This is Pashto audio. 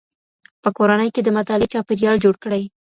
په کورنۍ کي د مطالعې چاپېريال جوړ کړئ.